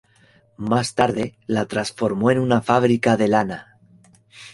Más tarde la transformó en una fábrica de lana.